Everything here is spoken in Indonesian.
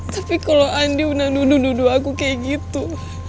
tapi kalau andi undang undang duduk aku kayak gitu